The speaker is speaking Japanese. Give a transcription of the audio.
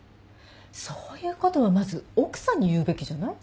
そういうことはまず奥さんに言うべきじゃない？